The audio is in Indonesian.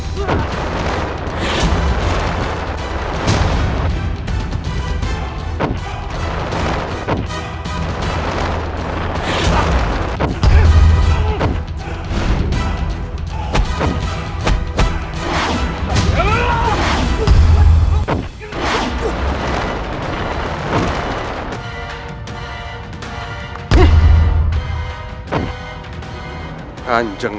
kau akan menang